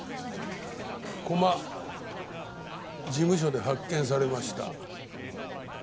駒事務所で発見されました。